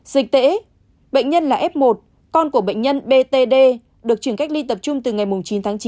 dịch tễ bệnh nhân là f một con của bệnh nhân btd được chuyển cách ly tập trung từ ngày chín tháng chín